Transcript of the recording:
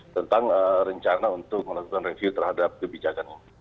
tentang rencana untuk melakukan review terhadap kebijakan ini